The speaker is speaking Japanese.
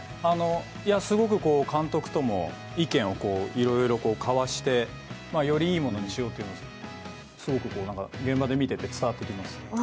すごく監督とも意見をいろいろ交わしてよりいいものにしようというのが現場で見てて伝わってきます。